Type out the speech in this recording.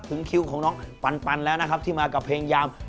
คิวของน้องปันแล้วนะครับที่มากับเพลงยาม